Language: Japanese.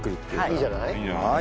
いいんじゃない？